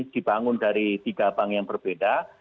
dibangun dari tiga bank yang berbeda